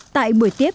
tại buổi tiếp